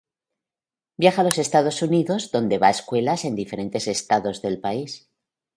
Viaja a los Estados Unidos donde va a escuelas en diferentes estados del país.